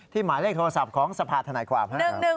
หมายเลขโทรศัพท์ของสภาธนายความ